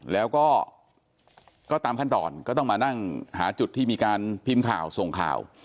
แล้วก็ตามขั้นตอนก็ต้องมานั่งหาจุดที่มีการพิมพ์ข่าวส่งข่าว